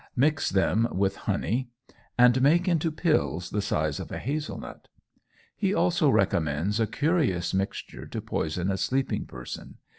Mix them with honey, and make into pills the size of a hazel nut." He also recommends a curious mixture to poison a sleeping person.